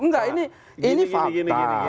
enggak ini fakta